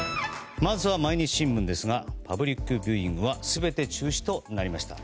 まずは毎日新聞ですがパブリックビューイングは全て中止となりました。